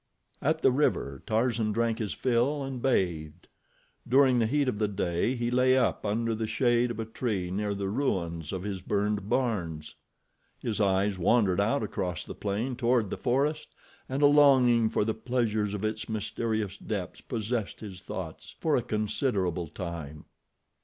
At the river, Tarzan drank his fill and bathed. During the heat of the day he lay up under the shade of a tree near the ruins of his burned barns. His eyes wandered out across the plain toward the forest, and a longing for the pleasures of its mysterious depths possessed his thoughts for a considerable time.